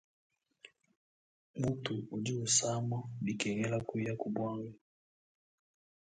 Mutu udi usama bikengela kuya ku buanga.